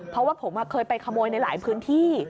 เพราะว่าผมเคยไปขโมยในหลายพื้นที่